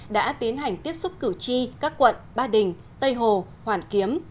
đã tiến hành tiếp xúc cử tri các quận ba đình tây hồ hoàn kiếm